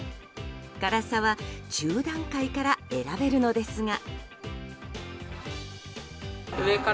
辛さは１０段階から選べるのですが。